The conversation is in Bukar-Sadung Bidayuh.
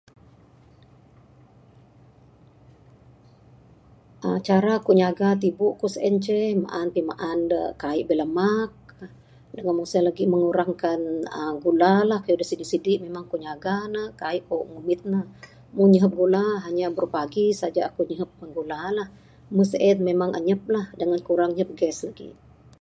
uhh Cara ku' nyaga tibu' ku' sien ce, maan pimaan da kai' bilamak, dengan mung sien lagi mengurangkan uhh gula lah. Kayuh da sidik sidik memang ku' nyaga ne. Kai' ku' ngumit ne. Mung ngihup gula, hanya brupagi saja aku' ngihup mon gula lah. Muh sien memang anyap lah dengan kurang ngihup gas lagi'.